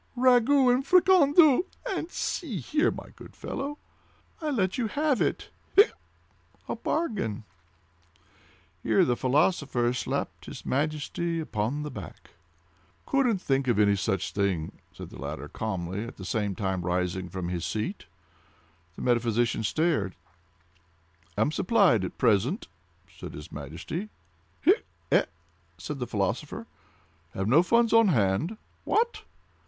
"Ragout and fricandeau—and see here, my good fellow! I'll let you have it—hiccup!—a bargain." Here the philosopher slapped his Majesty upon the back. "Couldn't think of such a thing," said the latter calmly, at the same time rising from his seat. The metaphysician stared. "Am supplied at present," said his Majesty. "Hiccup!—e h?" said the philosopher. "Have no funds on hand." "What?"